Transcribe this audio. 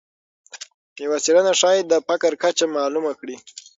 یوه څېړنه ښایي د فقر کچه معلومه کړي.